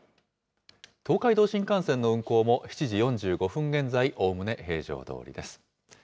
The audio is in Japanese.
東海道新幹線の運行も、７時４５分現在、おおむね平常どおりです。